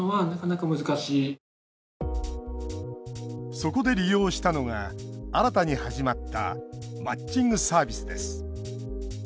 そこで利用したのが新たに始まったマッチングサービスです。